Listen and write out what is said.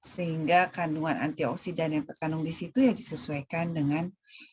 sehingga kandungan antioksidan yang terkandung di situ ya disesuaikan dengan